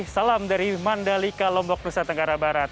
salam dari mandalika lombok nusa tenggara barat